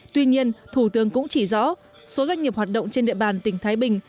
tuy nhiên thủ tướng cũng chỉ rõ số doanh nghiệp hoạt động trên địa bàn tỉnh thái bình